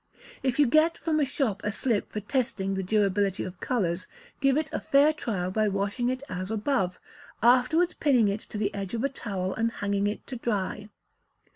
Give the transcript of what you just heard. If you get from a shop a slip for testing the durability of colours, give it a fair trial by washing it as above; afterwards pinning it to the edge of a towel, and hanging it to dry.